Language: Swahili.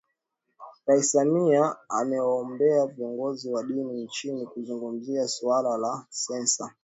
Rais Samia amewaomba viongozi wa dini nchini kuzungumzia suala la Sensa